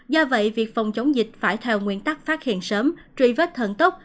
do vậy việc phòng chống dịch phải theo nguyên tắc phát hiện sớm truy vết thần tốc